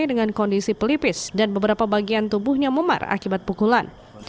dengan kondisi pelipis dan beberapa bagian tubuhnya memar akibat pukulan